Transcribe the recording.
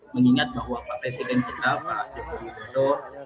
mengingat bahwa pak presiden kita pak jokowi bado